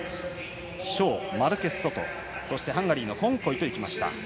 ショー、マルケスソトハンガリーのコンコイと行きました。